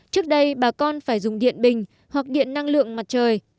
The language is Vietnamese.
trước đây bà con phải dùng điện bình hoặc điện năng lượng mặt trời